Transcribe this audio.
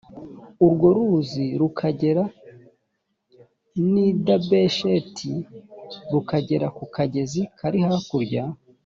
urwo ruzi rukagera n’i dabesheti rukagera ku kagezi kari hakurya